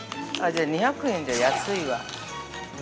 じゃあ、２００円で安いわ。